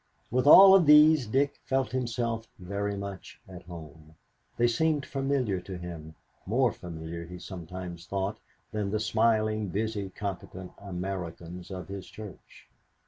With all of these Dick felt himself very much at home. They seemed familiar to him, more familiar, he sometimes thought, than the smiling, busy, competent Americans of his church.